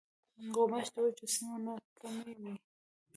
غوماشې د وچو سیمو نه کمې وي.